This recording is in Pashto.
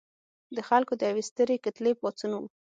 د خلکو د یوې سترې کتلې پاڅون و.